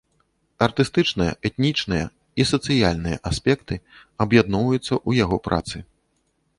Артыстычныя, этнічныя і сацыяльныя аспекты аб'ядноўваюцца ў яго працы.